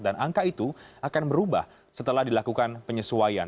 dan angka itu akan berubah setelah dilakukan penyesuaian